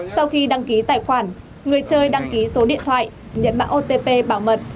sau khi đăng ký tài khoản người chơi đăng ký số điện thoại nhận mạng otp bảo mật